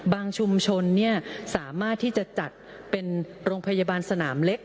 ชุมชนสามารถที่จะจัดเป็นโรงพยาบาลสนามเล็ก